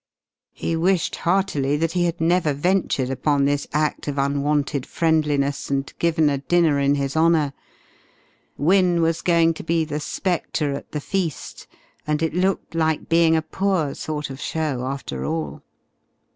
He wished heartily that he had never ventured upon this act of unwanted friendliness and given a dinner in his honour. Wynne was going to be the spectre at the feast, and it looked like being a poor sort of show after all.